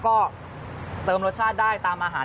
คือสดเลย